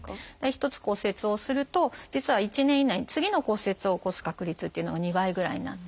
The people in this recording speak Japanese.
一つ骨折をすると実は１年以内に次の骨折を起こす確率っていうのが２倍ぐらいになって。